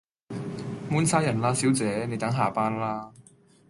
滿曬人喇小姐，你等下班啦